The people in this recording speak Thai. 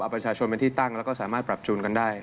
เอาประชาชนเป็นที่ตั้งแล้วก็สามารถปรับจูนกันได้